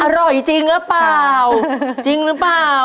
อร่อยจริงหรือเปล่าจริงหรือเปล่า